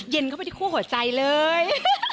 เข้าไปที่คู่หัวใจเลย